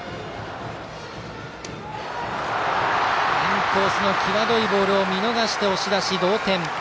インコースの際どいボールを見逃して押し出し、同点。